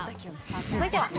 続いては。